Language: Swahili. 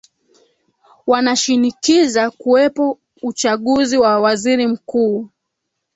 wanashinikiza kuwepo uchaguzi wa waziri mkuu